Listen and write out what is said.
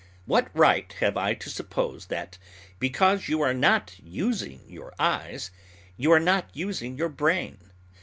What right have I to suppose, that, because you are not using your eyes, you are not using your brain?